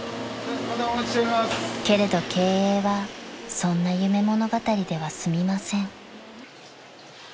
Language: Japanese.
［けれど経営はそんな夢物語では済みません］